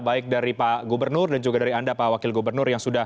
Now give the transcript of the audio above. baik dari pak gubernur dan juga dari anda pak wakil gubernur yang sudah